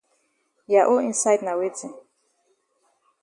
Ya own inside na weti.